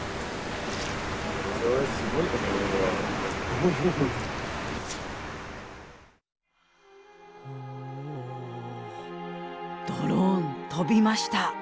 おドローン飛びました。